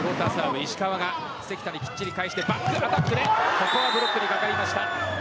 ここはブロックにかかりました。